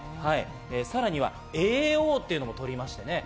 さらには叡王というのも取りました。